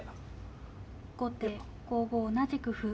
後手５五同じく歩。